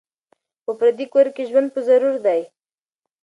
په پردي کور کي ژوند په ضرور دی